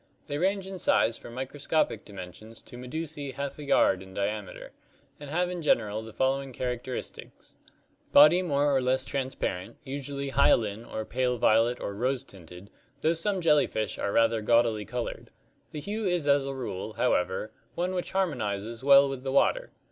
They range in size from microscopic dimensions to medusae half a yard in diameter, and have in general the following characteristics: Body more or less transparent, usually hyaline or pale violet or rose tinted, though some jellyfish are rather gaudily colored. The hue is as a rule, however, one which harmonizes well with the water.